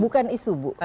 bukan isu bu